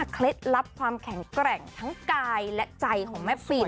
เคล็ดลับความแข็งแกร่งทั้งกายและใจของแม่ฟิน